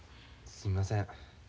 すみません。